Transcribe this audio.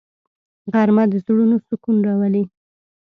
غرمه د زړونو سکون راولي